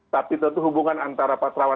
tapi tentu hubungan antara pak terawan